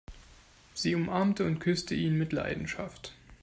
Sie umarmte und küsste ihn mit Leidenschaft.